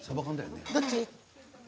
どっち？